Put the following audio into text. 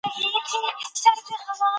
واک د قانوني اصولو پرته بېارزښته دی.